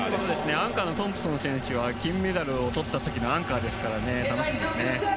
アンカーのトンプソン選手は金メダルを取った時のアンカーですから楽しみですね。